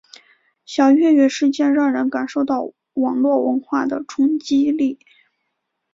小月月事件让人感受到了网络文化的冲击力。